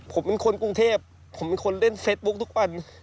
ผมเป็นคนกรุงเทพผมเป็นคนเล่นเฟซบุ๊คทุกวัน